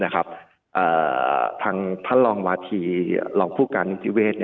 ทางท่านรองวาธีรองผู้การนิติเวศ